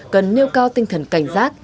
cần nêu cao tinh thần cảnh giác